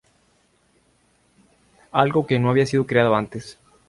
Algo que no había sido creado antes.